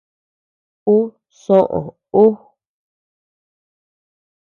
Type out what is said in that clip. Ú soʼö ú.